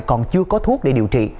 còn chưa có thuốc để điều trị